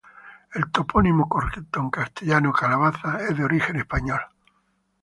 El topónimo correcto en castellano Calabazas, es de origen español.